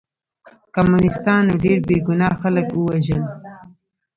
کمونستانو ډېر بې ګناه خلک ووژل